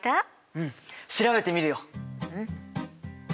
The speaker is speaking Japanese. うん調べてみるよ！